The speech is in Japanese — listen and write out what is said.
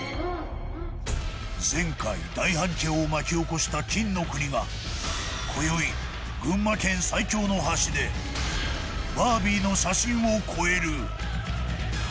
前回大反響を巻き起こした金の国が今宵群馬県最恐の橋でバービーの写真を超える！